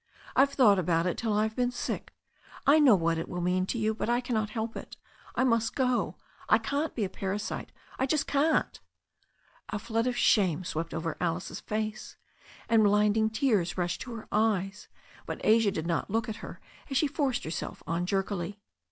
I've thought about it till I've been sick — I know what it will mean to you — ^but I cannot help it. I must go. I can't be a parasite — I just can't." A flood of shame swept over Alice's face, and blinding tears rushed to her eyes, but Asia did not look at her as she forced herself on jerkily.